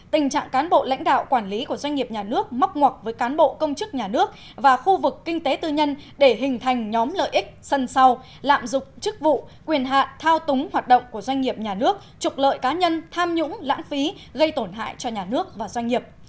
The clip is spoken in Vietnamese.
tình trạng cán bộ lãnh đạo quản lý của doanh nghiệp nhà nước mắc ngọc với cán bộ công chức nhà nước và khu vực kinh tế tư nhân để hình thành nhóm lợi ích sân sau lạm dụng chức vụ quyền hạn thao túng hoạt động của doanh nghiệp nhà nước trục lợi cá nhân tham nhũng lãng phí gây tổn hại cho nhà nước và doanh nghiệp